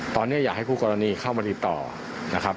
ตอนนี้อยากให้คู่กรณีเข้ามาติดต่อนะครับ